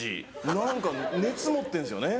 何か熱持ってんですよね。